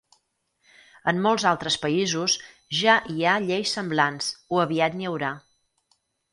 En molts altres països ja hi ha lleis semblants o aviat n'hi haurà.